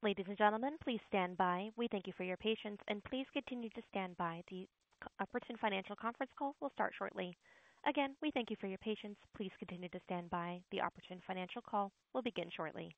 Ladies and gentlemen, please stand by. We thank you for your patience, and please continue to stand by. The Oportun Financial Call will start shortly. Again, we thank you for your patience. Please continue to stand by. The Oportun Financial Call will begin shortly.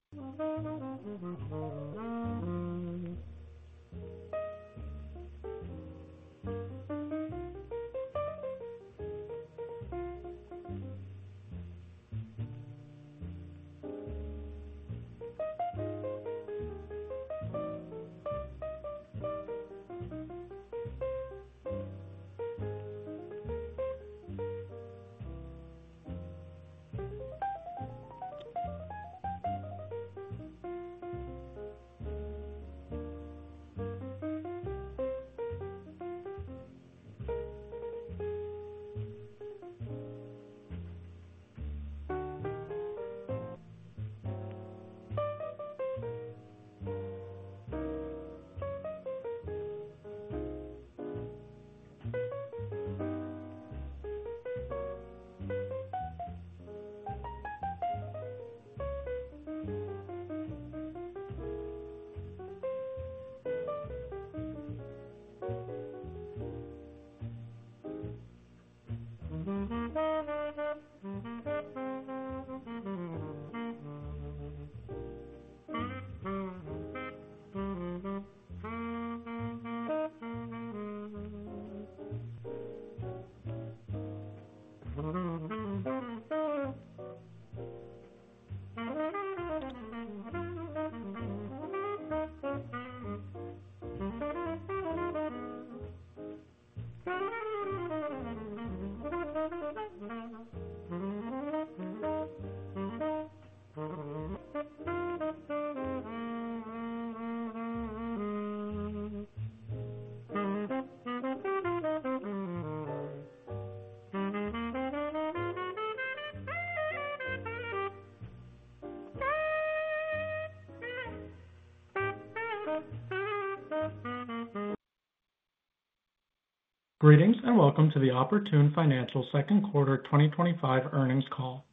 Greetings and welcome to the Oportun Financial Second Quarter 2025 Earnings Call.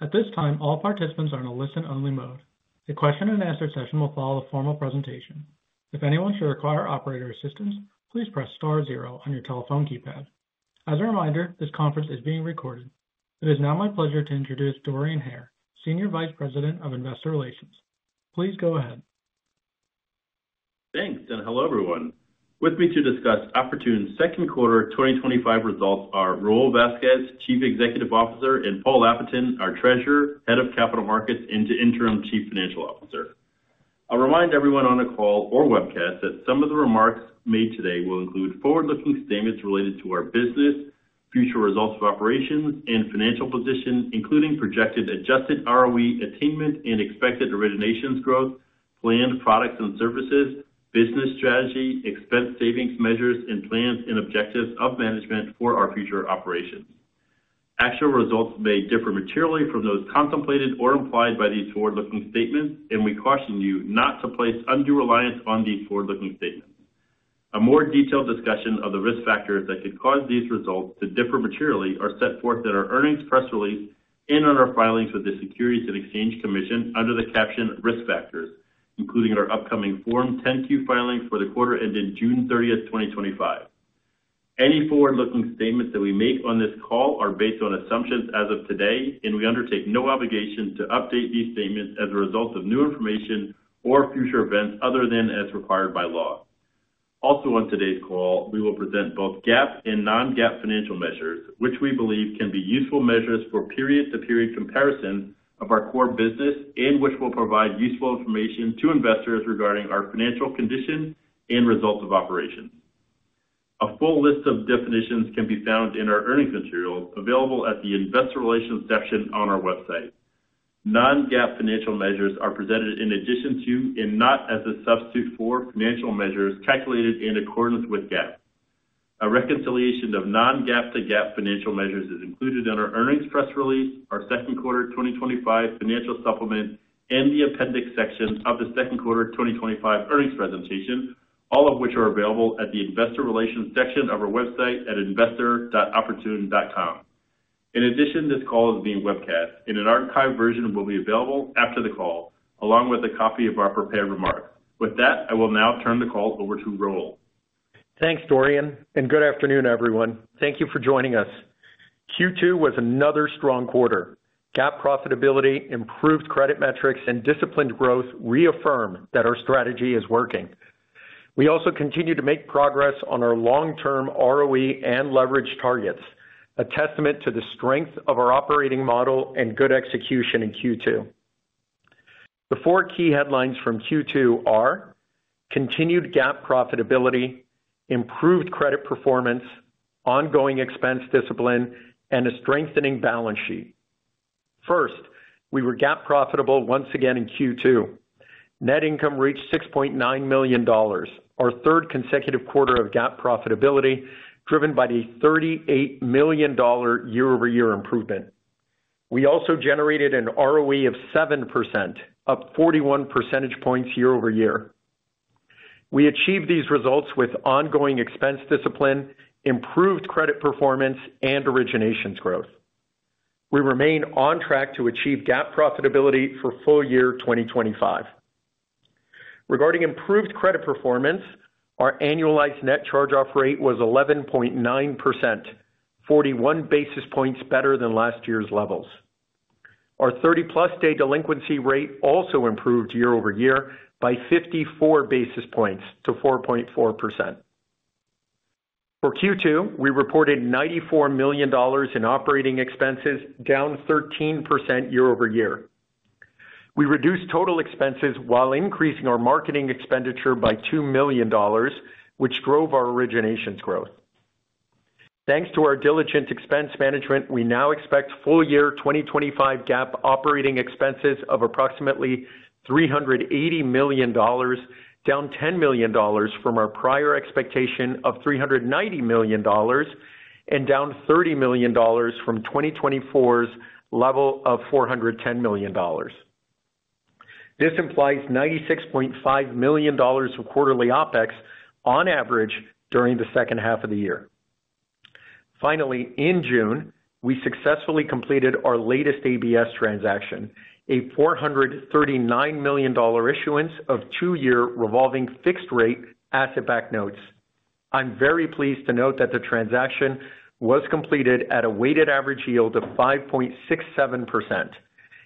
At this time, all participants are in a listen-only mode. A question and answer session will follow the formal presentation. If anyone should require operator assistance, please press star zero on your telephone keypad. As a reminder, this conference is being recorded. It is now my pleasure to introduce Dorian Hare, Senior Vice President of Investor Relations. Please go ahead. Thanks, and hello everyone. With me to discuss Oportun's second quarter 2025 results are Raul Vazquez, Chief Executive Officer, and Paul Appleton, our Treasurer, Head of Capital Markets, and Interim Chief Financial Officer. I'll remind everyone on the call or webcast that some of the remarks made today will include forward-looking statements related to our business, future results of operations, and financial position, including projected adjusted ROE attainment and expected originations growth, planned products and services, business strategy, expense savings measures, and plans and objectives of management for our future operations. Actual results may differ materially from those contemplated or implied by these forward-looking statements, and we caution you not to place undue reliance on these forward-looking statements. A more detailed discussion of the risk factors that could cause these results to differ materially are set forth in our earnings press release and on our filings with the Securities and Exchange Commission under the caption Risk Factors, including our upcoming Form 10-Q filings for the quarter ending June 30th, 2025. Any forward-looking statements that we make on this call are based on assumptions as of today, and we undertake no obligation to update these statements as a result of new information or future events other than as required by law. Also, on today's call, we will present both GAAP and non-GAAP financial measures, which we believe can be useful measures for period-to-period comparison of our core business and which will provide useful information to investors regarding our financial condition and results of operations. A full list of definitions can be found in our earnings material available at the Investor Relations section on our website. Non-GAAP financial measures are presented in addition to and not as a substitute for financial measures calculated in accordance with GAAP. A reconciliation of non-GAAP to GAAP financial measures is included in our earnings press release, our second quarter 2025 financial supplement, and the appendix section of the Second Quarter 2025 Earnings presentation, all of which are available at the Investor Relations section of our website at investor.oportun.com. In addition, this call is being webcast, and an archived version will be available after the call, along with a copy of our prepared remarks. With that, I will now turn the call over to Raul. Thanks, Dorian, and good afternoon, everyone. Thank you for joining us. Q2 was another strong quarter. GAAP profitability, improved credit metrics, and disciplined growth reaffirm that our strategy is working. We also continue to make progress on our long-term ROE and leverage targets, a testament to the strength of our operating model and good execution in Q2. The four key headlines from Q2 are continued GAAP profitability, improved credit performance, ongoing expense discipline, and a strengthening balance sheet. First, we were GAAP profitable once again in Q2. Net income reached $6.9 million, our third consecutive quarter of GAAP profitability, driven by the $38 million year-over-year improvement. We also generated an ROE of 7%, up 41 percentage points year over year. We achieved these results with ongoing expense discipline, improved credit performance, and originations growth. We remain on track to achieve GAAP profitability for full year 2025. Regarding improved credit performance, our annualized net charge-off rate was 11.9%, 41 basis points better than last year's levels. Our 30-plus-day delinquency rate also improved year over year by 54 basis points to 4.4%. For Q2, we reported $94 million in operating expenses, down 13% year-over-year. We reduced total expenses while increasing our marketing expenditure by $2 million, which drove our originations growth. Thanks to our diligent expense management, we now expect full-year 2025 GAAP operating expenses of approximately $380 million, down $10 million from our prior expectation of $390 million and down $30 million from 2024's level of $410 million. This implies $96.5 million of quarterly OpEx on average during the second half of the year. Finally, in June, we successfully completed our latest ABS transaction, a $439 million issuance of two-year revolving fixed-rate asset-backed notes. I'm very pleased to note that the transaction was completed at a weighted average yield of 5.67%,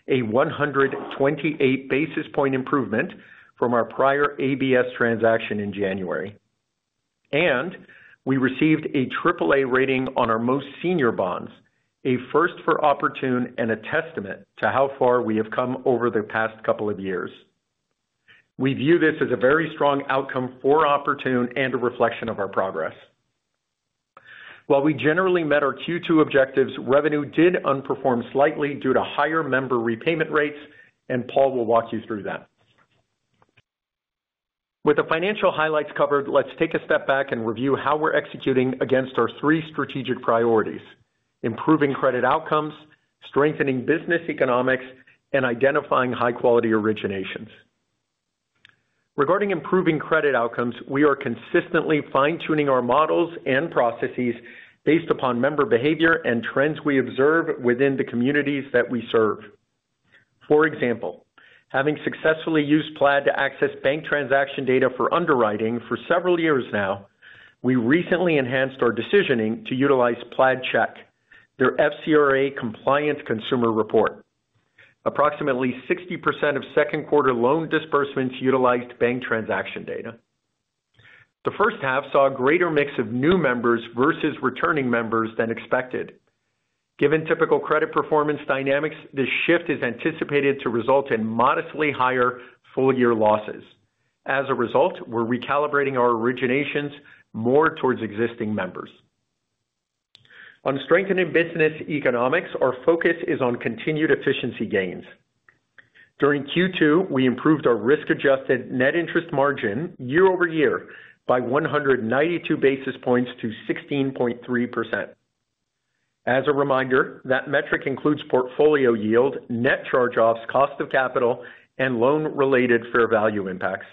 a 128 basis point improvement from our prior ABS transaction in January. We received a AAA rating on our most senior bonds, a first for Oportun and a testament to how far we have come over the past couple of years. We view this as a very strong outcome for Oportun and a reflection of our progress. While we generally met our Q2 objectives, revenue did underperform slightly due to higher member repayment rates, and Paul will walk you through them. With the financial highlights covered, let's take a step back and review how we're executing against our three strategic priorities: improving credit outcomes, strengthening business economics, and identifying high-quality originations. Regarding improving credit outcomes, we are consistently fine-tuning our models and processes based upon member behavior and trends we observe within the communities that we serve. For example, having successfully used Plaid to access bank transaction data for underwriting for several years now, we recently enhanced our decisioning to utilize PlaidCheck, their FCRA compliant consumer report. Approximately 60% of second quarter loan disbursements utilized bank transaction data. The first half saw a greater mix of new members versus returning members than expected. Given typical credit performance dynamics, this shift is anticipated to result in modestly higher full-year losses. As a result, we're recalibrating our originations more towards existing members. On strengthening business economics, our focus is on continued efficiency gains. During Q2, we improved our risk-adjusted net interest margin year over year by 192 basis points to 16.3%. As a reminder, that metric includes portfolio yield, net charge-offs, cost of capital, and loan-related fair value impacts.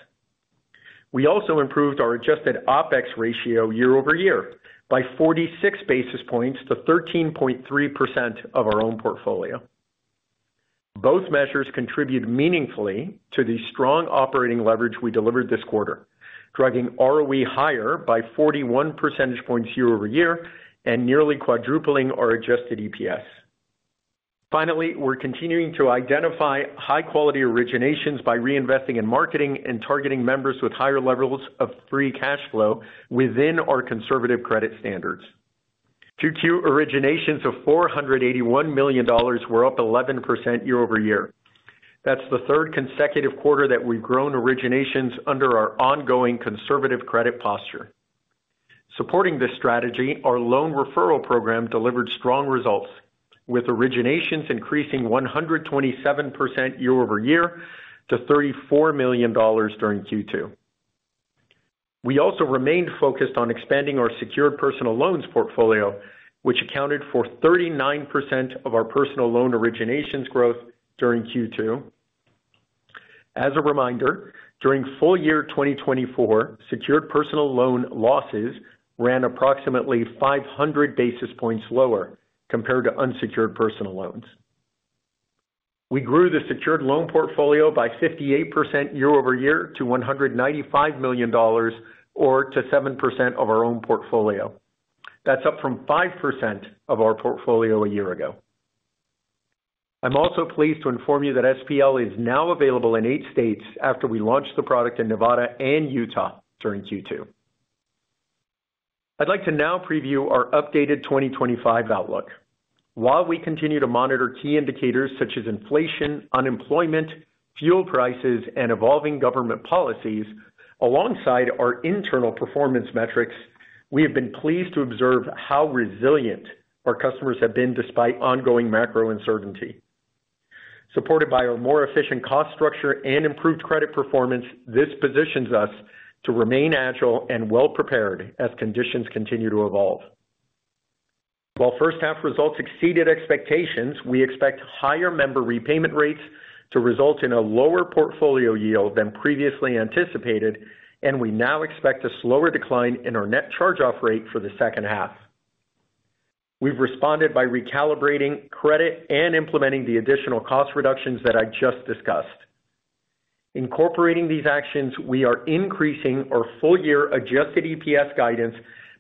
We also improved our adjusted OpEx ratio year over year by 46 basis points to 13.3% of our own portfolio. Both measures contribute meaningfully to the strong operating leverage we delivered this quarter, driving ROE higher by 41 percentage points year over year and nearly quadrupling our adjusted EPS. Finally, we're continuing to identify high-quality originations by reinvesting in marketing and targeting members with higher levels of free cash flow within our conservative credit standards. Q2 originations of $481 million were up 11% year over year. That's the third consecutive quarter that we've grown originations under our ongoing conservative credit posture. Supporting this strategy, our loan referral program delivered strong results, with originations increasing 127% year-over-year to $34 million during Q2. We also remained focused on expanding our secured personal loans portfolio, which accounted for 39% of our personal loan originations growth during Q2. As a reminder, during full year 2024, secured personal loan losses ran approximately 500 basis points lower compared to unsecured personal loans. We grew the secured personal loans portfolio by 58% year-over-year to $195 million, or to 7% of our own portfolio. That's up from 5% of our portfolio a year ago. I'm also pleased to inform you that SPL is now available in eight states after we launched the product in Nevada and Utah during Q2. I'd like to now preview our updated 2025 outlook. While we continue to monitor key indicators such as inflation, unemployment, fuel prices, and evolving government policies, alongside our internal performance metrics, we have been pleased to observe how resilient our customers have been despite ongoing macro uncertainty. Supported by our more efficient cost structure and improved credit performance, this positions us to remain agile and well-prepared as conditions continue to evolve. While first half results exceeded expectations, we expect higher member repayment rates to result in a lower portfolio yield than previously anticipated, and we now expect a slower decline in our net charge-off rate for the second half. We've responded by recalibrating credit and implementing the additional cost reductions that I just discussed. Incorporating these actions, we are increasing our full-year adjusted EPS guidance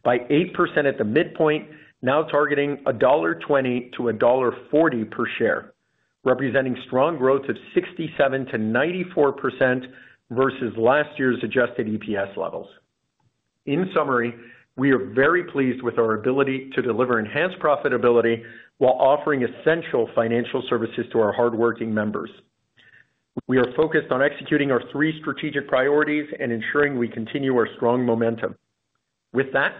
by 8% at the midpoint, now targeting $1.20-$1.40 per share, representing strong growth of 67% to 94% versus last year's adjusted EPS levels. In summary, we are very pleased with our ability to deliver enhanced profitability while offering essential financial services to our hardworking members. We are focused on executing our three strategic priorities and ensuring we continue our strong momentum. With that,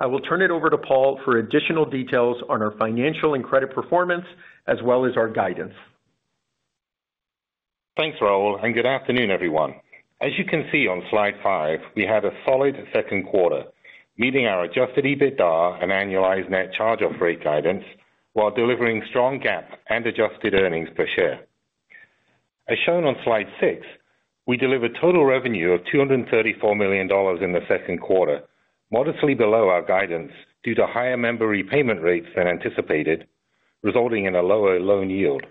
I will turn it over to Paul for additional details on our financial and credit performance, as well as our guidance. Thanks, Raul, and good afternoon, everyone. As you can see on slide five, we had a solid second quarter, meeting our adjusted EBITDA and annualized net charge-off rate guidance while delivering strong GAAP and adjusted earnings per share. As shown on slide six, we delivered total revenue of $234 million in the second quarter, modestly below our guidance due to higher member repayment rates than anticipated, resulting in a lower loan yield.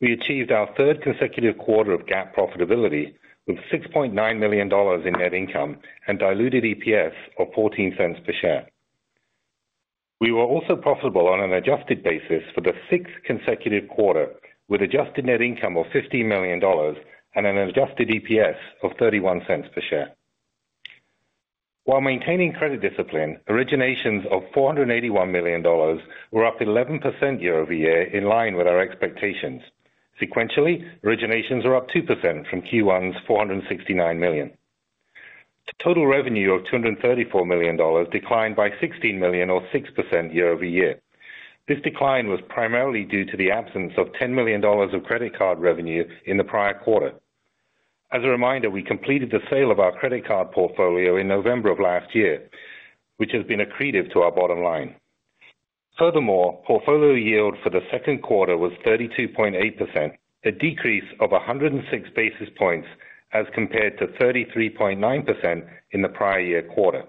We achieved our third consecutive quarter of GAAP profitability with $6.9 million in net income and diluted EPS of $0.14 per share. We were also profitable on an adjusted basis for the sixth consecutive quarter, with adjusted net income of $15 million and an adjusted EPS of $0.31 per share. While maintaining credit discipline, originations of $481 million were up 11% year-over- year, in line with our expectations. Sequentially, originations were up 2% from Q1's $469 million. The total revenue of $234 million declined by $16 million, or 6% year-over-year. This decline was primarily due to the absence of $10 million of credit card revenue in the prior quarter. As a reminder, we completed the sale of our credit card portfolio in November of last year, which has been accretive to our bottom line. Furthermore, portfolio yield for the second quarter was 32.8%, a decrease of 106 basis points as compared to 33.9% in the prior year quarter.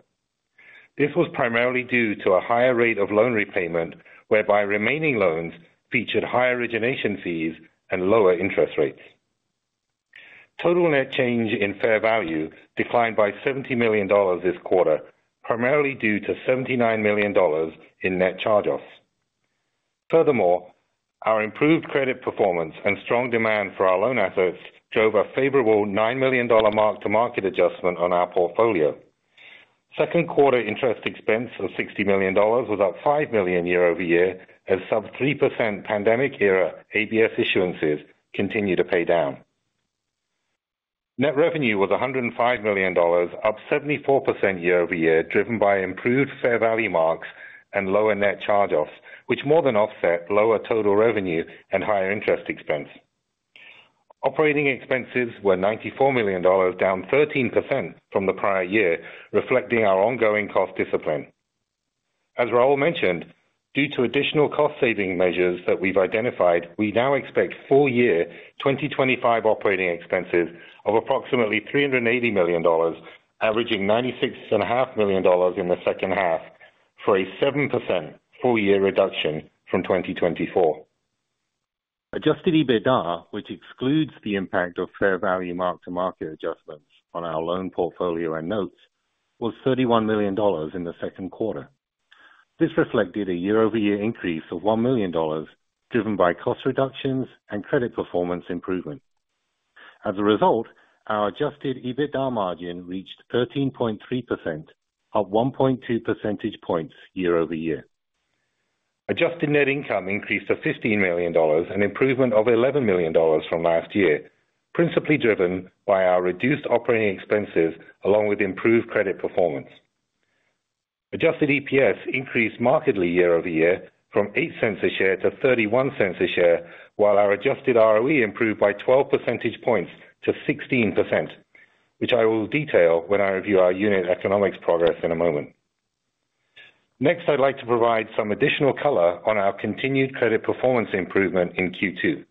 This was primarily due to a higher rate of loan repayment, whereby remaining loans featured higher origination fees and lower interest rates. Total net change in fair value declined by $70 million this quarter, primarily due to $79 million in net charge-offs. Furthermore, our improved credit performance and strong demand for our loan assets drove a favorable $9 million mark-to-market adjustment on our portfolio. Second quarter interest expense of $60 million was up $5 million year-over-year, as sub-3% pandemic era ABS issuances continue to pay down. Net revenue was $105 million, up 74% year-over-year, driven by improved fair value marks and lower net charge-offs, which more than offset lower total revenue and higher interest expense. Operating expenses were $94 million, down 13% from the prior year, reflecting our ongoing cost discipline. As Raul mentioned, due to additional cost-saving measures that we've identified, we now expect full-year 2025 operating expenses of approximately $380 million, averaging $96.5 million in the second half for a 7% full-year reduction from 2024. Adjusted EBITDA, which excludes the impact of fair value mark-to-market adjustments on our loan portfolio and notes, was $31 million in the second quarter. This reflected a year-over-year increase of $1 million, driven by cost reductions and credit performance improvement. As a result, our adjusted EBITDA margin reached 13.3%, up 1.2 percentage points year over year. Adjusted net income increased to $15 million, an improvement of $11 million from last year, principally driven by our reduced operating expenses along with improved credit performance. Adjusted EPS increased markedly year over year from $0.08 a share to $0.31 a share, while our adjusted ROE improved by 12 percentage points to 16%, which I will detail when I review our unit economics progress in a moment. Next, I'd like to provide some additional color on our continued credit performance improvement in Q2.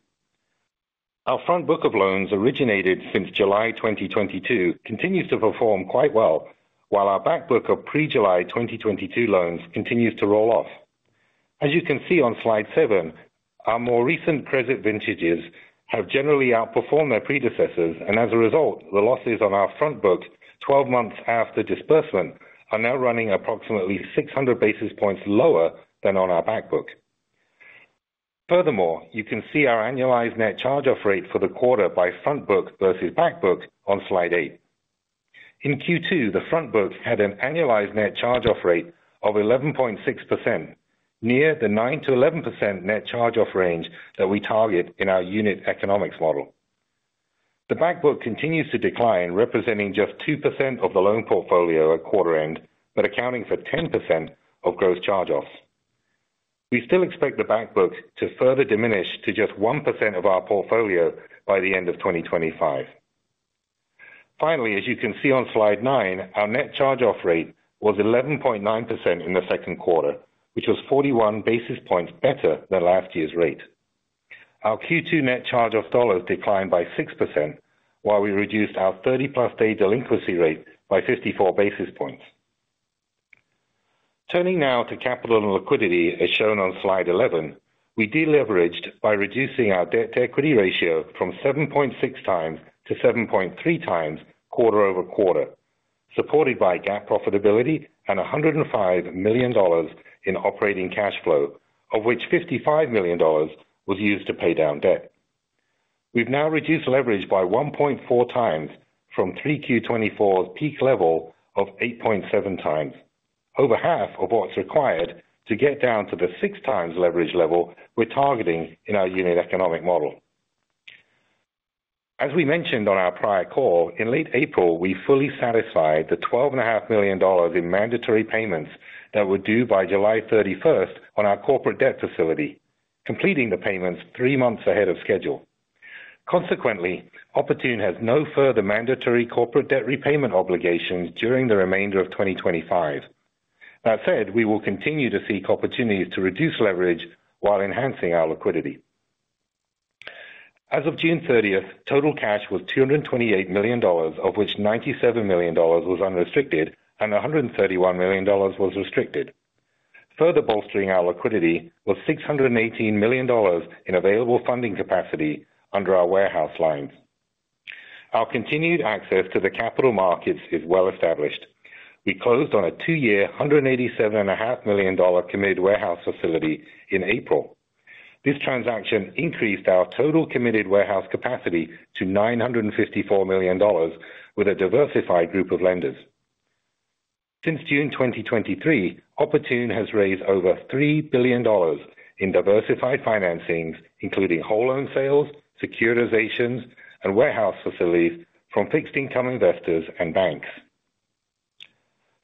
Our front book of loans originated since July 2022 continues to perform quite well, while our back book of pre-July 2022 loans continues to roll off. As you can see on slide seven, our more recent credit vintages have generally outperformed their predecessors, and as a result, the losses on our front book's 12 months after disbursement are now running approximately 600 basis points lower than on our back book. Furthermore, you can see our annualized net charge-off rate for the quarter by front book versus back book on slide eight. In Q2, the front book had an annualized net charge-off rate of 11.6%, near the 9%-11% net charge-off range that we target in our unit economics model. The back book continues to decline, representing just 2% of the loan portfolio at quarter end, but accounting for 10% of gross charge-offs. We still expect the back book to further diminish to just 1% of our portfolio by the end of 2025. Finally, as you can see on slide nine, our net charge-off rate was 11.9% in the second quarter, which was 41 basis points better than last year's rate. Our Q2 net charge-off dollars declined by 6%, while we reduced our 30+ day delinquency rate by 54 basis points. Turning now to capital and liquidity, as shown on slide 11, we deleveraged by reducing our debt-to-equity ratio from 7.6x to 7.3x quarter-over quarter, supported by GAAP profitability and $105 million in operating cash flow, of which $55 million was used to pay down debt. We've now reduced leverage by 1.4x from 3Q 2024's peak level of 8.7x, over half of what's required to get down to the 6x leverage level we're targeting in our unit economic model. As we mentioned on our prior call, in late April, we fully satisfied the $12.5 million in mandatory payments that were due by July 31 on our corporate debt facility, completing the payments three months ahead of schedule. Consequently, Oportun has no further mandatory corporate debt repayment obligations during the remainder of 2025. That said, we will continue to seek opportunities to reduce leverage while enhancing our liquidity. As of June 30, total cash was $228 million, of which $97 million was unrestricted and $131 million was restricted. Further bolstering our liquidity was $618 million in available funding capacity under our warehouse lines. Our continued access to the capital markets is well established. We closed on a two-year $187.5 million committed warehouse facility in April. This transaction increased our total committed warehouse capacity to $954 million with a diversified group of lenders. Since June 2023, Oportun has raised over $3 billion in diversified financing, including whole loan sales, securitizations, and warehouse facilities from fixed income investors and banks.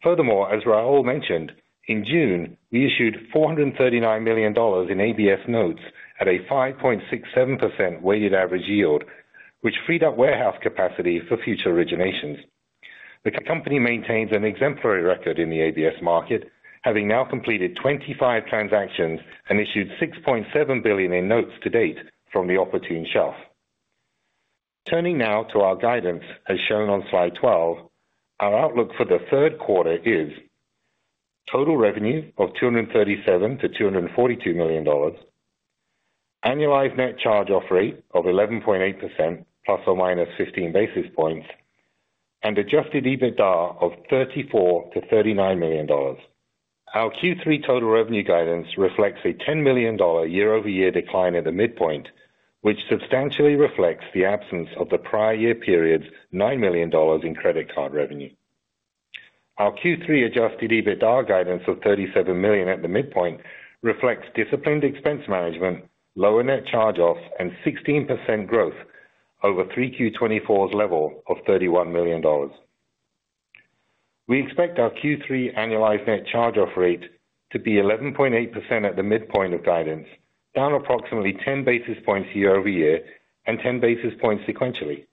Furthermore, as Raul mentioned, in June, we issued $439 million in ABS notes at a 5.67% weighted average yield, which freed up warehouse capacity for future originations. The company maintains an exemplary record in the ABS market, having now completed 25 transactions and issued $6.7 billion in notes to date from the Oportun shelf. Turning now to our guidance, as shown on slide 12, our outlook for the third quarter is total revenue of $237 million-$242 million, annualized net charge-off rate of 11.8%, plus or minus 15 basis points, and adjusted EBITDA of $34 million-$39 million. Our Q3 total revenue guidance reflects a $10 million year-over-year decline at the midpoint, which substantially reflects the absence of the prior year period's $9 million in credit card revenue. Our Q3 adjusted EBITDA guidance of $37 million at the midpoint reflects disciplined expense management, lower net charge-offs, and 16% growth over 3Q 2024's level of $31 million. We expect our Q3 annualized net charge-off rate to be 11.8% at the midpoint of guidance, down approximately 10 basis points year-over-year and 10 basis points sequentially.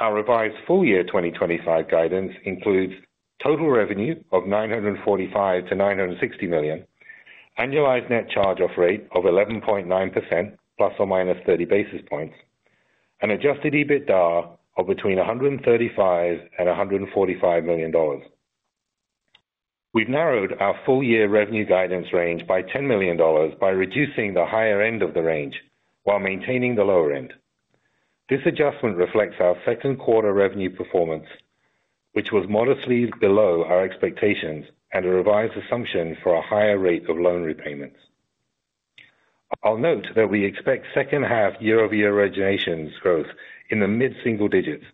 Our revised full-year 2025 guidance includes total revenue of $945 million-$960 million, annualized net charge-off rate of 11.9%, plus or -30 basis points, and adjusted EBITDA of between $135 million-$145 million. We've narrowed our full-year revenue guidance range by $10 million by reducing the higher end of the range while maintaining the lower end. This adjustment reflects our second quarter revenue performance, which was modestly below our expectations, and a revised assumption for a higher rate of loan repayments. I’ll note that we expect second half year-over-year originations growth in the mid-single digits.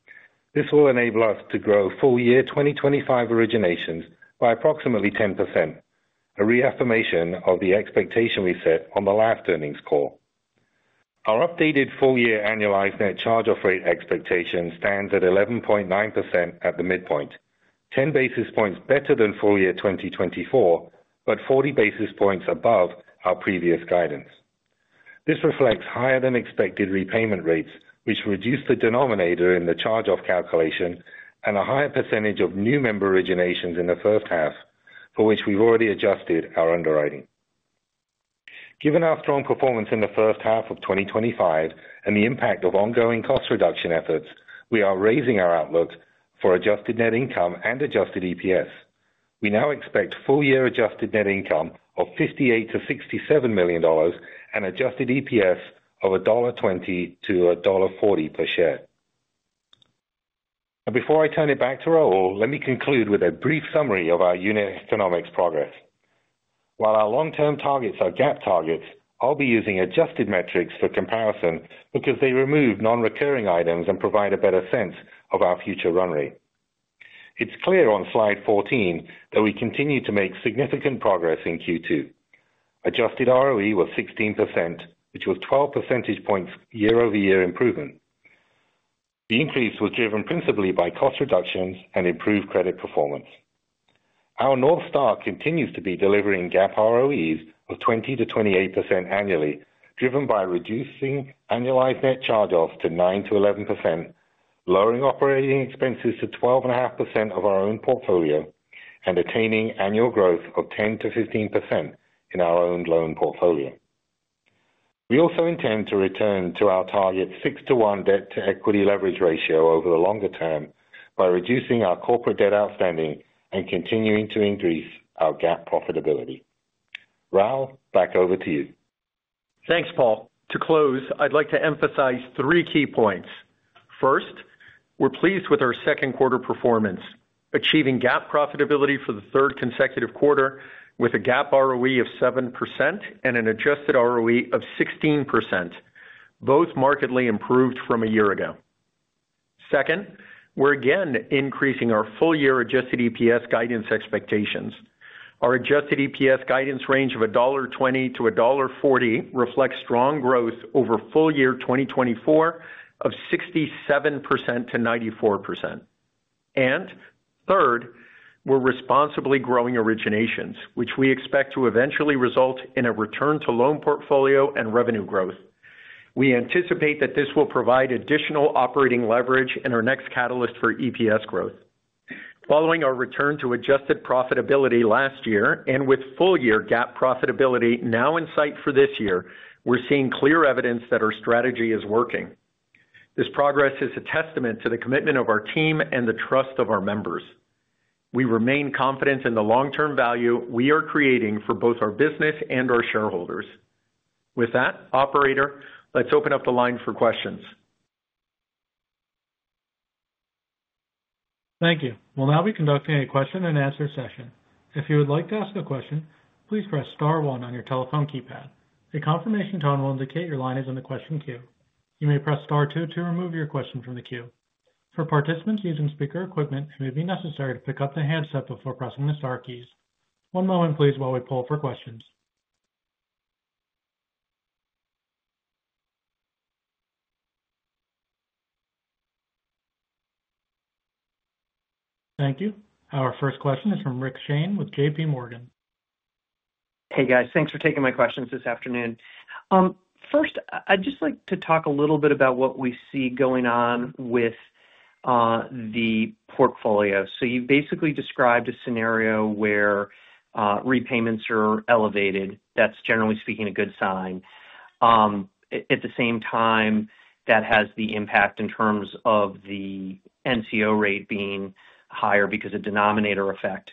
This will enable us to grow full-year 2025 originations by approximately 10%, a reaffirmation of the expectation we set on the last earnings call. Our updated full-year annualized net charge-off rate expectation stands at 11.9% at the midpoint, 10 basis points better than full-year 2024, but 40 basis points above our previous guidance. This reflects higher than expected repayment rates, which reduce the denominator in the charge-off calculation, and a higher percentage of new member originations in the first half, for which we've already adjusted our underwriting. Given our strong performance in the first half of 2025 and the impact of ongoing cost reduction efforts, we are raising our outlook for adjusted net income and adjusted EPS. We now expect full-year adjusted net income of $58 million-$67 million and adjusted EPS of $1.20-$1.40 per share. Before I turn it back to Raul, let me conclude with a brief summary of our unit economics progress. While our long-term targets are GAAP targets, I'll be using adjusted metrics for comparison because they remove non-recurring items and provide a better sense of our future run rate. It's clear on slide 14 that we continue to make significant progress in Q2. Adjusted ROE was 16%, which was a 12 percentage points year-over-year improvement. The increase was driven principally by cost reductions and improved credit performance. Our North Star continues to be delivering GAAP ROEs of 20%-28% annually, driven by reducing annualized net charge-offs to 9 to 11%, lowering operating expenses to 12.5% of our own portfolio, and attaining annual growth of 10%-15% in our own loan portfolio. We also intend to return to our target 6:1 debt-to-equity leverage ratio over the longer term by reducing our corporate debt outstanding and continuing to increase our GAAP profitability. Raul, back over to you. Thanks, Paul. To close, I'd like to emphasize three key points. First, we're pleased with our second quarter performance, achieving GAAP profitability for the third consecutive quarter with a GAAP ROE of 7% and an adjusted ROE of 16%, both markedly improved from a year ago. Second, we're again increasing our full-year adjusted EPS guidance expectations. Our adjusted EPS guidance range of $1.20-$1.40 reflects strong growth over full year 2024 of 67%-94%. Third, we're responsibly growing originations, which we expect to eventually result in a return to loan portfolio and revenue growth. We anticipate that this will provide additional operating leverage and our next catalyst for EPS growth. Following our return to adjusted profitability last year and with full-year GAAP profitability now in sight for this year, we're seeing clear evidence that our strategy is working. This progress is a testament to the commitment of our team and the trust of our members. We remain confident in the long-term value we are creating for both our business and our shareholders. With that, operator, let's open up the line for questions. Thank you. We'll now be conducting a question and answer session. If you would like to ask a question, please press star one on your telephone keypad. A confirmation tone will indicate your line is in the question queue. You may press star two to remove your question from the queue. For participants using speaker equipment, it may be necessary to pick up the headset before pressing the star keys. One moment, please, while we pull for questions. Thank you. Our first question is from Rick Shane with JPMorgan. Hey guys, thanks for taking my questions this afternoon. First, I'd just like to talk a little bit about what we see going on with the portfolio. You basically described a scenario where repayments are elevated. That's generally speaking a good sign. At the same time, that has the impact in terms of the NCO rate being higher because of the denominator effect.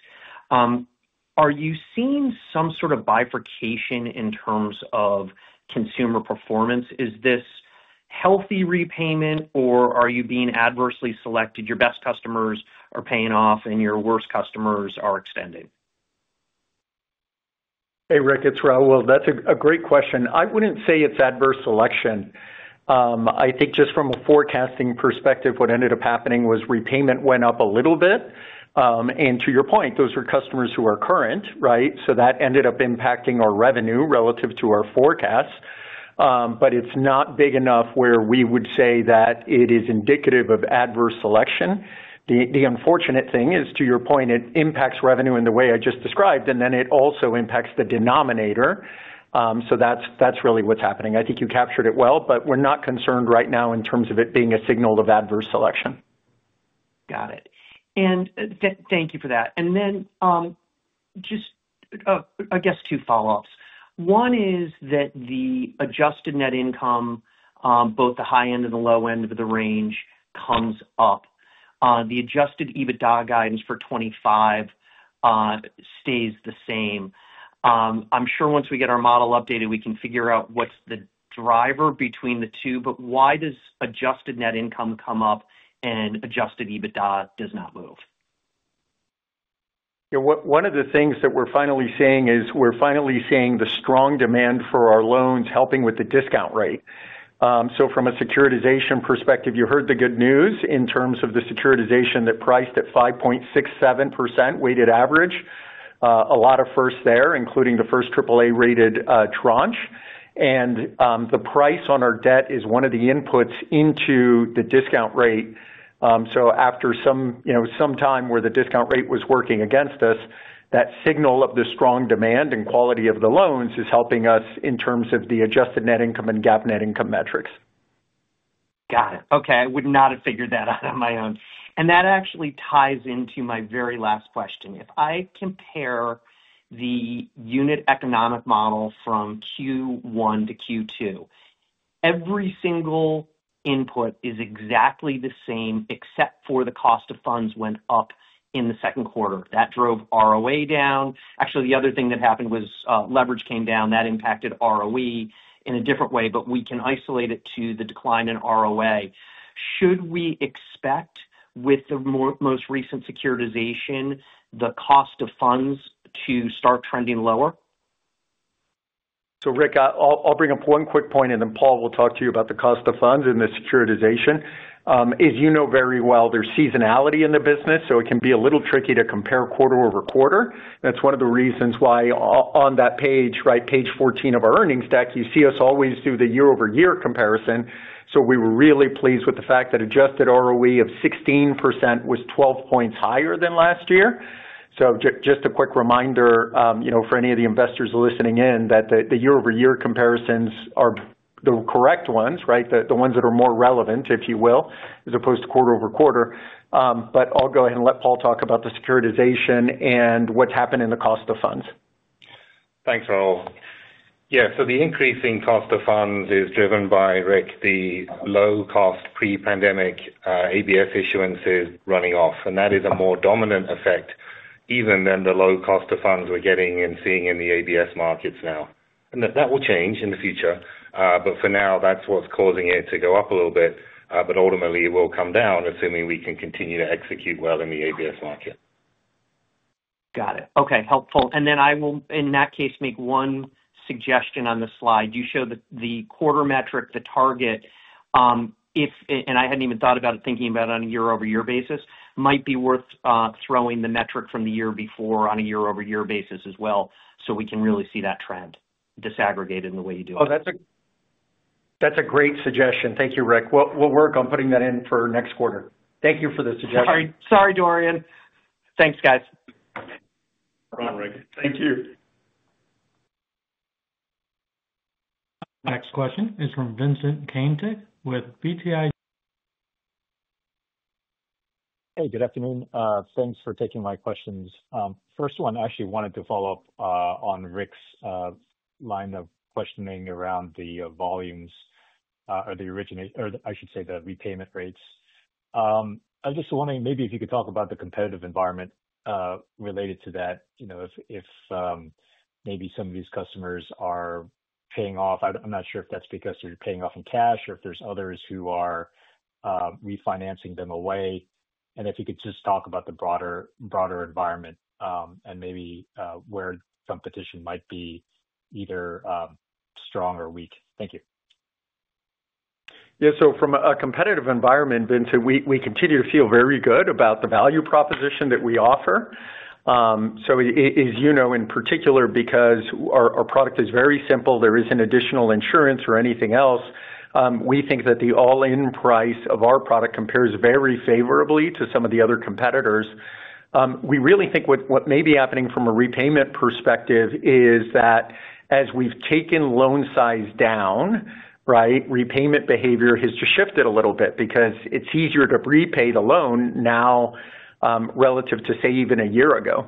Are you seeing some sort of bifurcation in terms of consumer performance? Is this healthy repayment or are you being adversely selected? Your best customers are paying off and your worst customers are extended. Hey Rick, it's Raul. That's a great question. I wouldn't say it's adverse selection. I think just from a forecasting perspective, what ended up happening was repayment went up a little bit, and to your point, those are customers who are current, right? That ended up impacting our revenue relative to our forecast, but it's not big enough where we would say that it is indicative of adverse selection. The unfortunate thing is, to your point, it impacts revenue in the way I just described, and it also impacts the denominator. That's really what's happening. I think you captured it well, but we're not concerned right now in terms of it being a signal of adverse selection. Got it. Thank you for that. I guess two follow-ups. One is that the adjusted net income, both the high end and the low end of the range, comes up. The adjusted EBITDA guidance for 2025 stays the same. I'm sure once we get our model updated, we can figure out what's the driver between the two, but why does adjusted net income come up and adjusted EBITDA does not move? Yeah, one of the things that we're finally seeing is we're finally seeing the strong demand for our loans helping with the discount rate. From a securitization perspective, you heard the good news in terms of the securitization that priced at 5.67% weighted average. A lot of firsts there, including the first AAA-rated tranche. The price on our debt is one of the inputs into the discount rate. After some time where the discount rate was working against us, that signal of the strong demand and quality of the loans is helping us in terms of the adjusted net income and GAAP net income metrics. Got it. Okay, I would not have figured that out on my own. That actually ties into my very last question. If I compare the unit economic model from Q1 to Q2, every single input is exactly the same except for the cost of funds went up in the second quarter. That drove ROA down. The other thing that happened was leverage came down. That impacted ROE in a different way, but we can isolate it to the decline in ROA. Should we expect, with the most recent securitization, the cost of funds to start trending lower? Rick, I'll bring up one quick point and then Paul will talk to you about the cost of funds and the securitization. As you know very well, there's seasonality in the business, so it can be a little tricky to compare quarter over quarter. That's one of the reasons why on that page, right, page 14 of our earnings deck, you see us always do the year-over-year comparison. We were really pleased with the fact that adjusted ROE of 16% was 12 points higher than last year. Just a quick reminder, for any of the investors listening in, that the year-over-year comparisons are the correct ones, the ones that are more relevant, if you will, as opposed to quarter over quarter. I'll go ahead and let Paul talk about the securitization and what's happened in the cost of funds. Thanks, Raul. Yeah, the increasing cost of funds is driven by, Rick, the low-cost pre-pandemic ABS issuances running off. That is a more dominant effect even than the low cost of funds we're getting and seeing in the ABS markets now. That will change in the future. For now, that's what's causing it to go up a little bit. Ultimately, it will come down assuming we can continue to execute well in the ABS market. Got it. Okay, helpful. In that case, I'll make one suggestion on the slide. You showed the quarter metric, the target. If, and I hadn't even thought about it on a year-over-year basis, it might be worth throwing the metric from the year before on a year-over-year basis as well. We can really see that trend disaggregated in the way you do it. Oh, that's a great suggestion. Thank you, Rick. We'll work on putting that in for next quarter. Thank you for the suggestion. Sorry, Dorian. Thanks, guys. Thank you. Next question is from Vincent Caintic with BTI. Hey, good afternoon. Thanks for taking my questions. First one, I actually wanted to follow up on Rick's line of questioning around the volumes, or the origination, or I should say the repayment rates. I was just wondering if you could talk about the competitive environment related to that. You know, if maybe some of these customers are paying off, I'm not sure if that's because they're paying off in cash or if there's others who are refinancing them away. If you could just talk about the broader environment and maybe where competition might be either strong or weak. Thank you. From a competitive environment, Vincent, we continue to feel very good about the value proposition that we offer. As you know, in particular, because our product is very simple, there isn't additional insurance or anything else. We think that the all-in price of our product compares very favorably to some of the other competitors. We really think what may be happening from a repayment perspective is that as we've taken loan size down, repayment behavior has just shifted a little bit because it's easier to repay the loan now relative to, say, even a year ago.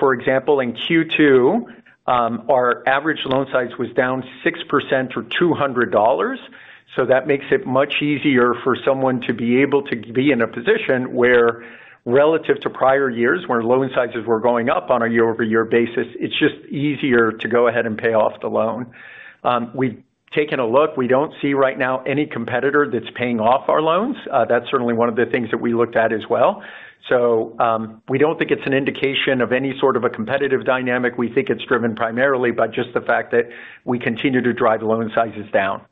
For example, in Q2, our average loan size was down 6% to $200. That makes it much easier for someone to be able to be in a position where relative to prior years where loan sizes were going up on a year-over-year basis, it's just easier to go ahead and pay off the loan. We've taken a look. We don't see right now any competitor that's paying off our loans. That's certainly one of the things that we looked at as well. We don't think it's an indication of any sort of a competitive dynamic. We think it's driven primarily by just the fact that we continue to drive loan sizes down.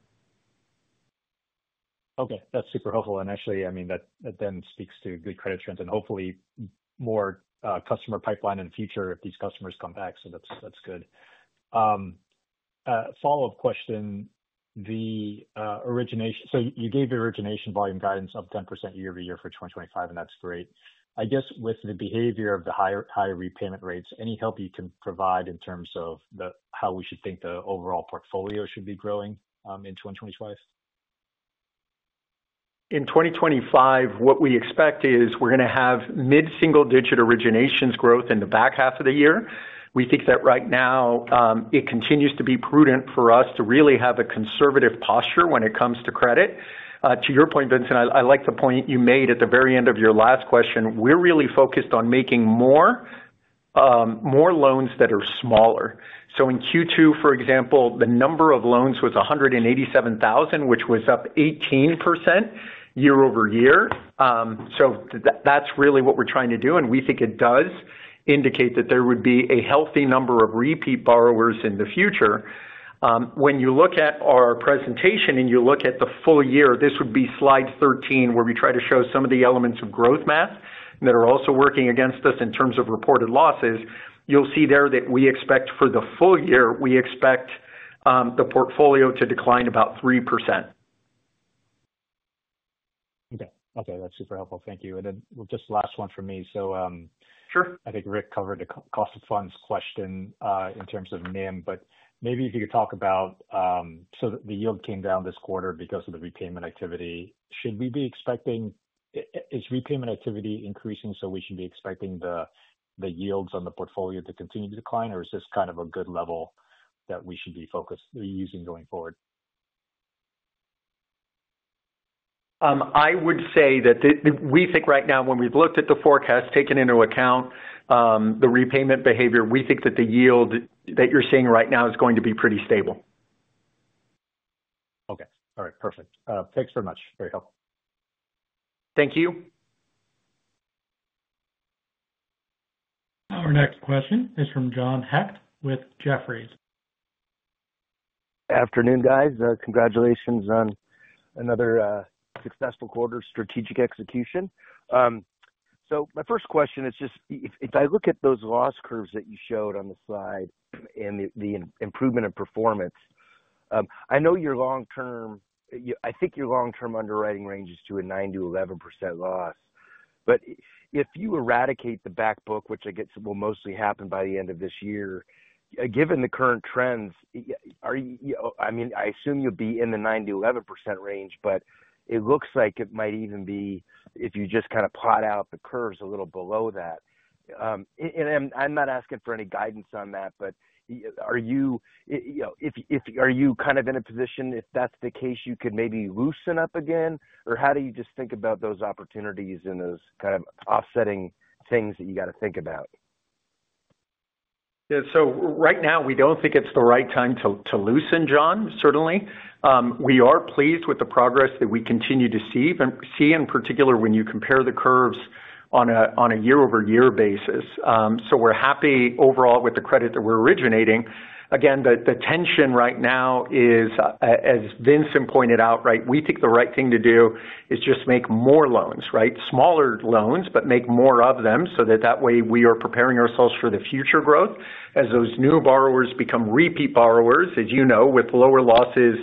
Okay, that's super helpful. I mean, that then speaks to good credit trends and hopefully more customer pipeline in the future if these customers come back. That's good. Follow-up question. The origination, you gave the origination volume guidance up 10% year-over-year for 2025, and that's great. I guess with the behavior of the higher repayment rates, any help you can provide in terms of how we should think the overall portfolio should be growing in 2025? In 2025, what we expect is we're going to have mid-single-digit originations growth in the back half of the year. We think that right now it continues to be prudent for us to really have a conservative posture when it comes to credit. To your point, Vincent, I like the point you made at the very end of your last question. We're really focused on making more loans that are smaller. In Q2, for example, the number of loans was 187,000, which was up 18% year-over-year. That's really what we're trying to do, and we think it does indicate that there would be a healthy number of repeat borrowers in the future. When you look at our presentation and you look at the full year, this would be slide 13 where we try to show some of the elements of growth math that are also working against us in terms of reported losses. You'll see there that we expect for the full year, we expect the portfolio to decline about 3%. Okay, that's super helpful. Thank you. Just the last one for me. I think Rick covered the cost of funds question in terms of NIM, but maybe if you could talk about, the yield came down this quarter because of the repayment activity. Should we be expecting, is repayment activity increasing so we should be expecting the yields on the portfolio to continue to decline, or is this kind of a good level that we should be focused using going forward? I would say that we think right now, when we've looked at the forecast and taken into account the repayment behavior, we think that the yield that you're seeing right now is going to be pretty stable. Okay, all right, perfect. Thanks very much. Very helpful. Thank you. Our next question is from John Hecht with Jefferies. Afternoon, guys. Congratulations on another successful quarter strategic execution. My first question is just if I look at those loss curves that you showed on the slide and the improvement in performance, I know your long-term, I think your long-term underwriting ranges to a 9%-11% loss. If you eradicate the back book, which I guess will mostly happen by the end of this year, given the current trends, are you, I mean, I assume you'll be in the 9%-11% range, but it looks like it might even be if you just kind of plot out the curves a little below that. I'm not asking for any guidance on that, but are you, you know, if you are you kind of in a position if that's the case, you could maybe loosen up again? How do you just think about those opportunities and those kind of offsetting things that you got to think about? Yeah, right now we don't think it's the right time to loosen, John, certainly. We are pleased with the progress that we continue to see, and in particular when you compare the curves on a year-over-year basis. We're happy overall with the credit that we're originating. Again, the tension right now is, as Vincent pointed out, we think the right thing to do is just make more loans, smaller loans, but make more of them so that way we are preparing ourselves for future growth as those new borrowers become repeat borrowers, as you know, with lower losses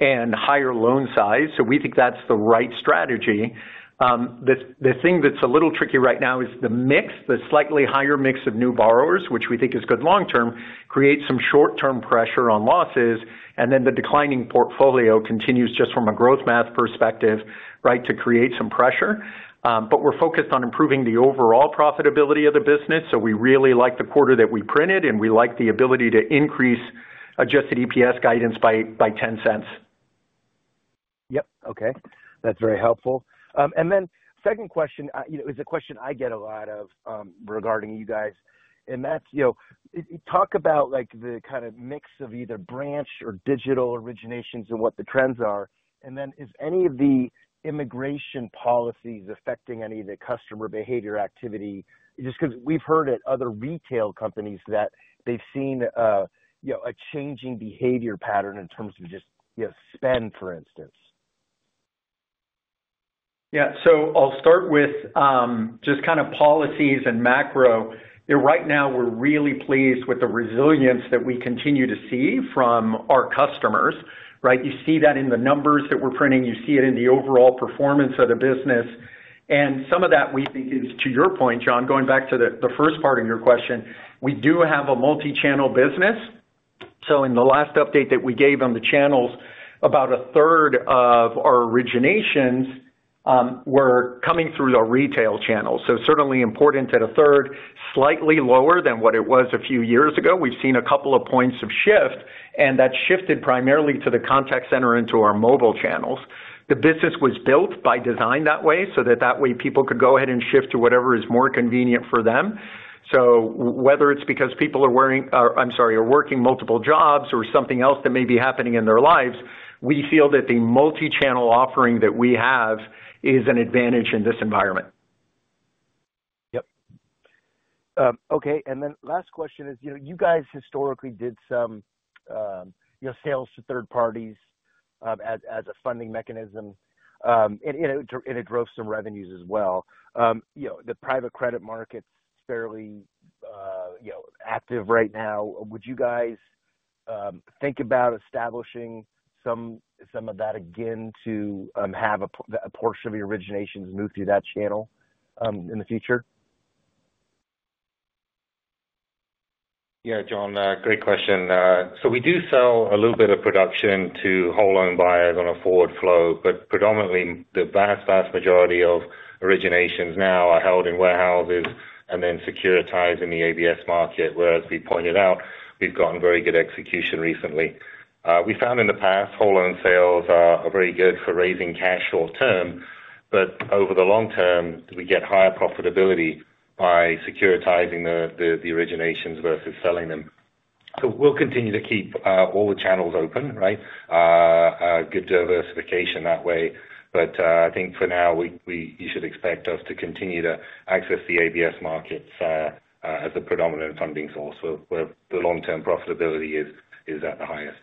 and higher loan size. We think that's the right strategy. The thing that's a little tricky right now is the mix, the slightly higher mix of new borrowers, which we think is good long term, creates some short-term pressure on losses, and the declining portfolio continues just from a growth math perspective to create some pressure. We're focused on improving the overall profitability of the business. We really like the quarter that we printed, and we like the ability to increase adjusted EPS guidance by $0.10. Okay, that's very helpful. My second question is a question I get a lot regarding you guys, and that's, you know, talk about the kind of mix of either branch or digital originations and what the trends are. Is any of the immigration policies affecting any of the customer behavior activity? Just because we've heard at other retail companies that they've seen a changing behavior pattern in terms of spend, for instance. I'll start with just kind of policies and macro. Right now we're really pleased with the resilience that we continue to see from our customers, right? You see that in the numbers that we're printing. You see it in the overall performance of the business. Some of that we think is, to your point, John, going back to the first part of your question, we do have a multi-channel business. In the last update that we gave on the channels, about a third of our originations were coming through the retail channel. It's certainly important that a third is slightly lower than what it was a few years ago. We've seen a couple of points of shift, and that shifted primarily to the contact center and to our mobile channels. The business was built by design that way so that people could go ahead and shift to whatever is more convenient for them. Whether it's because people are working multiple jobs or something else that may be happening in their lives, we feel that the multi-channel offering that we have is an advantage in this environment. Okay. Last question is, you know, you guys historically did some sales to third parties as a funding mechanism, and it drove some revenues as well. The private credit market is fairly active right now. Would you guys think about establishing some of that again to have a portion of your originations move through that channel in the future? Yeah, John, great question. We do sell a little bit of production to whole loan buyers on a forward flow, but predominantly the vast, vast majority of originations now are held in warehouses and then securitized in the ABS market, where, as we pointed out, we've gotten very good execution recently. We found in the past whole loan sales are very good for raising cash short term, but over the long term, we get higher profitability by securitizing the originations versus selling them. We'll continue to keep all the channels open, right? Good diversification that way. I think for now, you should expect us to continue to access the ABS markets as a predominant funding source where the long-term profitability is at the highest.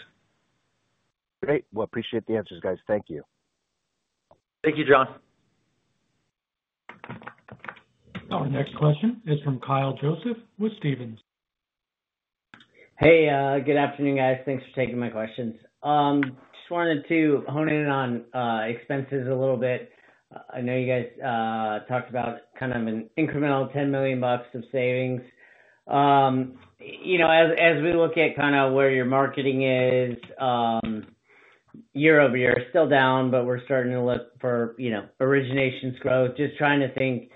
Great. I appreciate the answers, guys. Thank you. Thank you, John. Our next question is from Kyle Joseph with Stephens. Hey, good afternoon, guys. Thanks for taking my questions. Just wanted to hone in on expenses a little bit. I know you guys talked about an incremental $10 million of savings. As we look at where your marketing is year-over-year, still down, but we're starting to look for originations growth. Just trying to think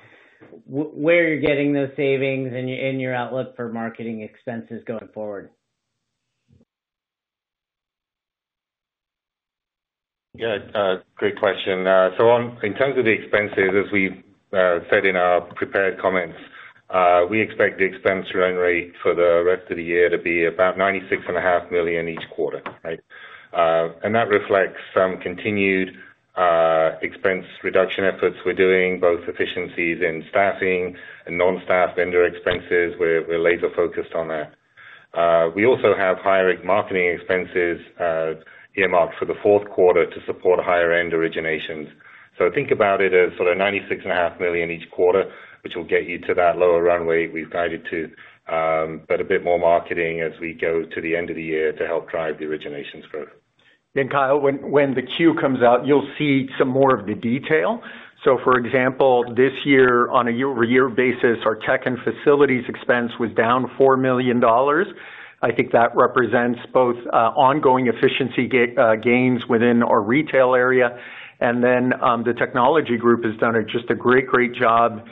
where you're getting those savings and your outlook for marketing expenses going forward. Great question. In terms of the expenses, as we said in our prepared comments, we expect the expense run rate for the rest of the year to be about $96.5 million each quarter, right? That reflects some continued expense reduction efforts we're doing, both efficiencies in staffing and non-staff vendor expenses. We're laser focused on that. We also have higher marketing expenses earmarked for the fourth quarter to support higher-end originations. Think about it as sort of $96.5 million each quarter, which will get you to that lower run rate we've guided to, but a bit more marketing as we go to the end of the year to help drive the originations growth. Kyle, when the queue comes out, you'll see some more of the detail. For example, this year on a year-over-year basis, our tech and facilities expense was down $4 million. I think that represents both ongoing efficiency gains within our retail area. The technology group has done just a great, great job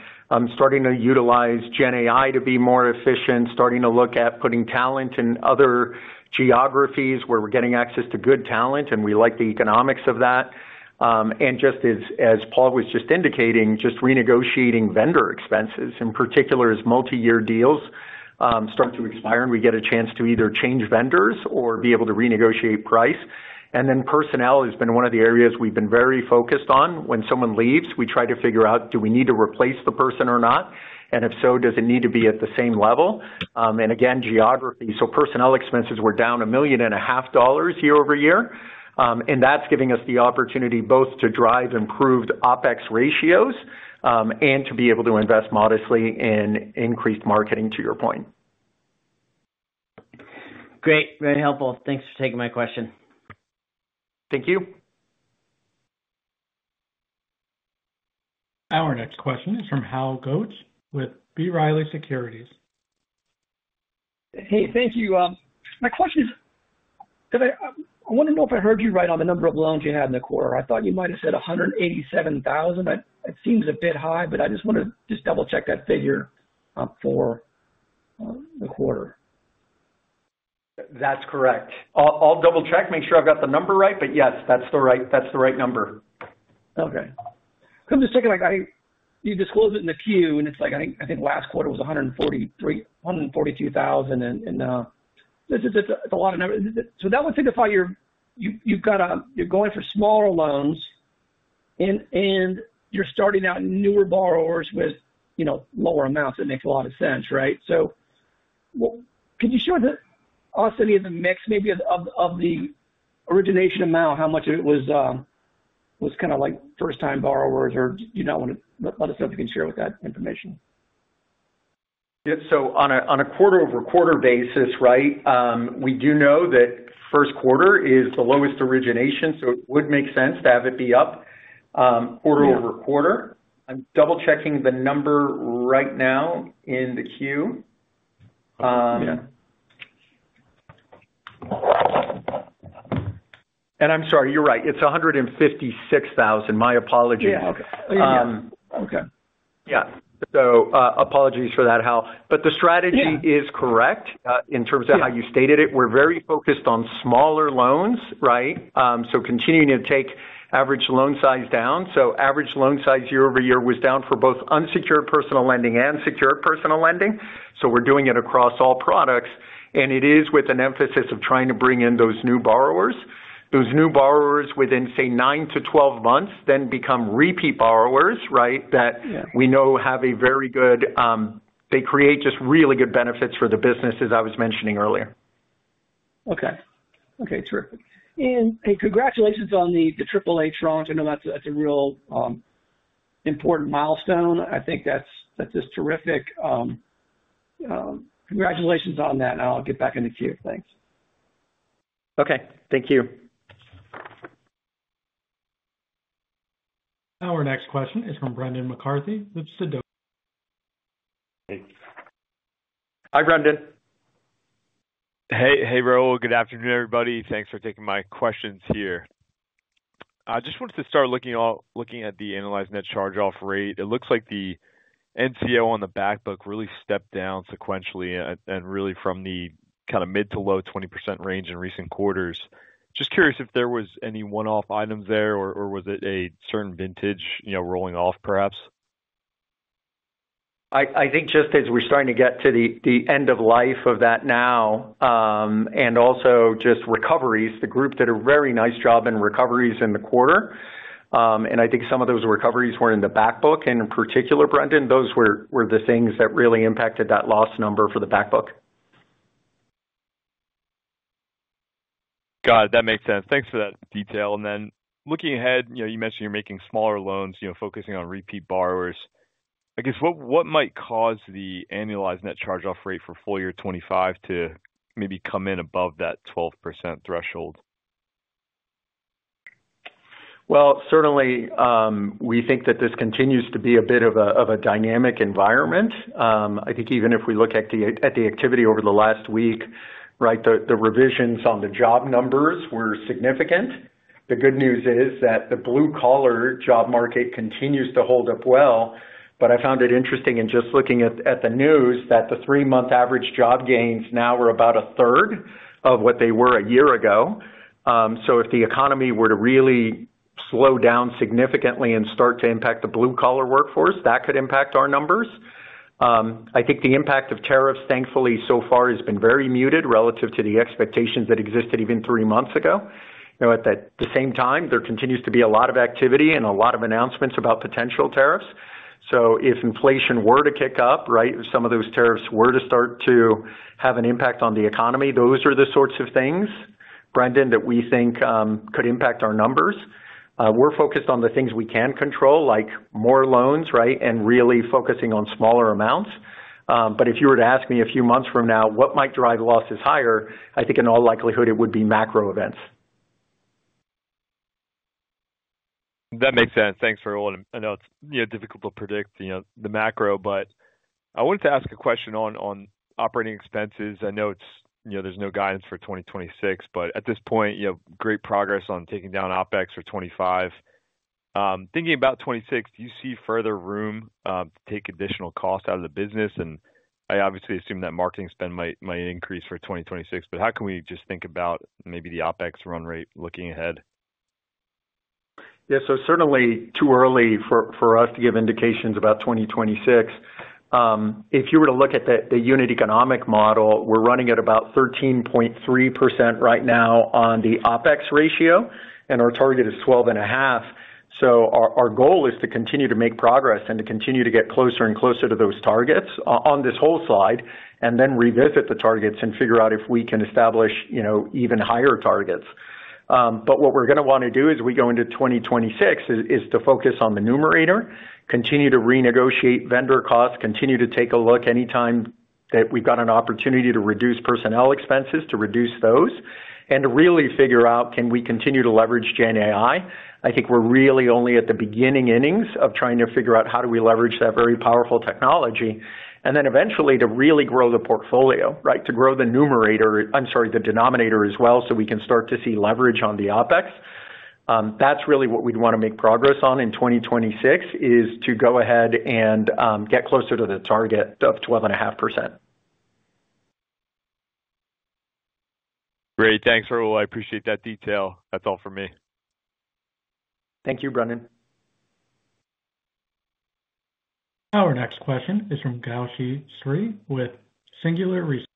starting to utilize GenAI to be more efficient, starting to look at putting talent in other geographies where we're getting access to good talent, and we like the economics of that. As Paul was just indicating, just renegotiating vendor expenses, in particular as multi-year deals start to expire, we get a chance to either change vendors or be able to renegotiate price. Personnel has been one of the areas we've been very focused on. When someone leaves, we try to figure out, do we need to replace the person or not? If so, does it need to be at the same level? Again, geography. Personnel expenses were down $1.5 million year-over-year. That's giving us the opportunity both to drive improved OpEx ratios and to be able to invest modestly in increased marketing, to your point. Great, very helpful. Thanks for taking my question. Thank you. Our next question is from Hal Goetsch with B. Riley Securities. Thank you. My question is, I want to know if I heard you right on the number of loans you had in the quarter. I thought you might have said 187,000. It seems a bit high, but I just want to double-check that figure for the quarter. That's correct. I'll double-check, make sure I've got the number right, but yes, that's the right number. Okay. Because it's just like you disclosed it in the Q, and it's like I think last quarter was 142,000, and it's a lot of numbers. That would take us all year. You're going for smaller loans, and you're starting out newer borrowers with lower amounts. That makes a lot of sense, right? Could you show us any of the mix, maybe of the origination amount, how much it was kind of like first-time borrowers, or do you not want to let us know if you can share that information? On a quarter-over-quarter basis, we do know that the first quarter is the lowest origination, so it would make sense to have it be up quarter over quarter. I'm double-checking the number right now in the queue. I'm sorry, you're right. It's 156,000. My apologies. Yeah, okay. Apologies for that, Hal. The strategy is correct in terms of how you stated it. We're very focused on smaller loans, right? Continuing to take average loan size down. Average loan size year over year was down for both unsecured personal lending and secured personal lending. We're doing it across all products, and it is with an emphasis of trying to bring in those new borrowers. Those new borrowers within, say, nine to 12 months then become repeat borrowers, right, that we know have a very good, they create just really good benefits for the business, as I was mentioning earlier. Okay, terrific. Congratulations on the AAA-rated ABS transaction. I know that's a real important milestone. I think that's just terrific. Congratulations on that, and I'll get back in the queue. Thanks. Okay, thank you. Our next question is from Brendan McCarthy with Sidot. Hi. Hi, Brendan. Hey Raul, good afternoon everybody. Thanks for taking my questions here. I just wanted to start looking at the annualized net charge-off rate. It looks like the NCO on the back book really stepped down sequentially and really from the kind of mid to low 20% range in recent quarters. Just curious if there was any one-off items there or was it a certain vintage, you know, rolling off perhaps? I think just as we're starting to get to the end of life of that now, and also just recoveries, the group did a very nice job in recoveries in the quarter. I think some of those recoveries were in the back book, and in particular, Brendan, those were the things that really impacted that loss number for the back book. Got it. That makes sense. Thanks for that detail. Looking ahead, you mentioned you're making smaller loans, focusing on repeat borrowers. I guess what might cause the annualized net charge-off rate for full year 2025 to maybe come in above that 12% threshold? Certainly, we think that this continues to be a bit of a dynamic environment. I think even if we look at the activity over the last week, the revisions on the job numbers were significant. The good news is that the blue collar job market continues to hold up well. I found it interesting in just looking at the news that the three-month average job gains now were about a third of what they were a year ago. If the economy were to really slow down significantly and start to impact the blue collar workforce, that could impact our numbers. I think the impact of tariffs, thankfully, so far has been very muted relative to the expectations that existed even three months ago. At the same time, there continues to be a lot of activity and a lot of announcements about potential tariffs. If inflation were to kick up, if some of those tariffs were to start to have an impact on the economy, those are the sorts of things, Brendan, that we think could impact our numbers. We're focused on the things we can control, like more loans, and really focusing on smaller amounts. If you were to ask me a few months from now what might drive losses higher, I think in all likelihood it would be macro events. That makes sense. Thanks, Raul. I know it's difficult to predict the macro, but I wanted to ask a question on operating expenses. I know there's no guidance for 2026, but at this point, great progress on taking down OpEx for 2025. Thinking about 2026, do you see further room to take additional cost out of the business? I obviously assume that marketing spend might increase for 2026, but how can we just think about maybe the OpEx run rate looking ahead? Yeah, certainly too early for us to give indications about 2026. If you were to look at the unit economic model, we're running at about 13.3% right now on the OpEx ratio, and our target is 12.5%. Our goal is to continue to make progress and to continue to get closer and closer to those targets on this whole slide and then revisit the targets and figure out if we can establish, you know, even higher targets. What we're going to want to do as we go into 2026 is to focus on the numerator, continue to renegotiate vendor costs, continue to take a look anytime that we've got an opportunity to reduce personnel expenses, to reduce those, and to really figure out can we continue to leverage GenAI. I think we're really only at the beginning innings of trying to figure out how do we leverage that very powerful technology and then eventually to really grow the portfolio, right, to grow the numerator, I'm sorry, the denominator as well so we can start to see leverage on the OpEx. That's really what we'd want to make progress on in 2026 is to go ahead and get closer to the target of 12.5%. Great, thanks Raul. I appreciate that detail. That's all for me. Thank you, Brendan. Our next question is from Gowshihan Srihan with Singular Research.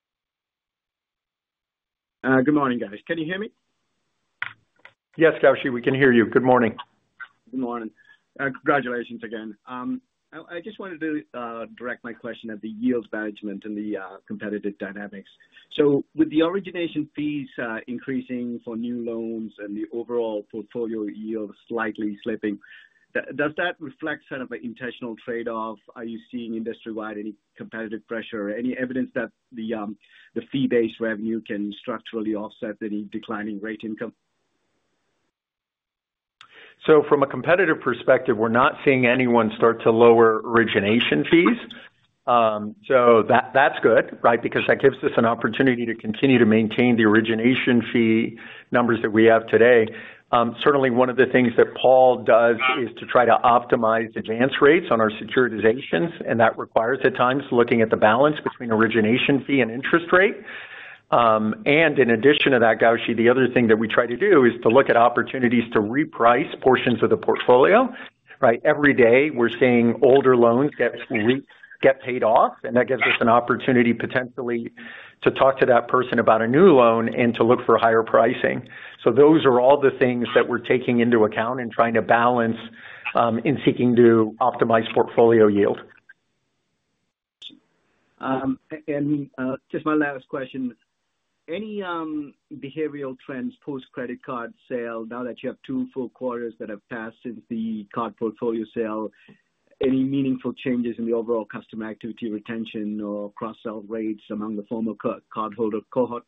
Good morning, guys. Can you hear me? Yes, Gowshihan, we can hear you. Good morning. Good morning. Congratulations again. I just wanted to direct my question at the yield management and the competitive dynamics. With the origination fees increasing for new loans and the overall portfolio yield slightly slipping, does that reflect an intentional trade-off? Are you seeing industry-wide any competitive pressure or any evidence that the fee-based revenue can structurally offset any declining rate income? From a competitive perspective, we're not seeing anyone start to lower origination fees. That's good, right, because that gives us an opportunity to continue to maintain the origination fee numbers that we have today. Certainly, one of the things that Paul does is to try to optimize advance rates on our securitizations, and that requires at times looking at the balance between origination fee and interest rate. In addition to that, the other thing that we try to do is to look at opportunities to reprice portions of the portfolio, right? Every day we're seeing older loans get paid off, and that gives us an opportunity potentially to talk to that person about a new loan and to look for higher pricing. Those are all the things that we're taking into account and trying to balance in seeking to optimize portfolio yield. My last question. Any behavioral trends post-credit card sale now that you have two full quarters that have passed since the card portfolio sale? Any meaningful changes in the overall customer activity, retention, or cross-sell rates among the former cardholder cohort?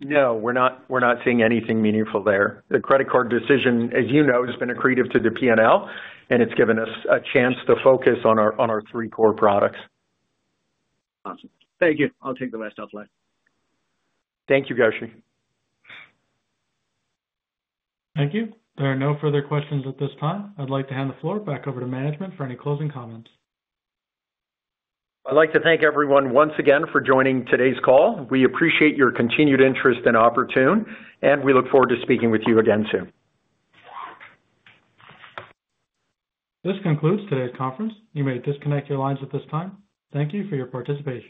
No, we're not seeing anything meaningful there. The credit card decision, as you know, has been accretive to the P&L, and it's given us a chance to focus on our three core products. Awesome. Thank you. I'll take the rest offline. Thank you, Gowshihan. Thank you. There are no further questions at this time. I'd like to hand the floor back over to management for any closing comments. I'd like to thank everyone once again for joining today's call. We appreciate your continued interest in Oportun, and we look forward to speaking with you again soon. This concludes today's conference. You may disconnect your lines at this time. Thank you for your participation.